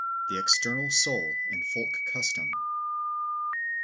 The External Soul in Folk Custom 1.